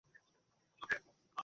এসব নাটুকেপনা একটু বন্ধ করা যাক।